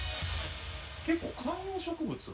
結構観葉植物が。